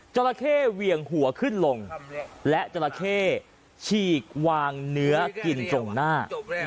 เจ้าละเข้เวียงหัวขึ้นลงและเจ้าละเข้ฉีกวางเนื้อกลิ่นตรงหน้า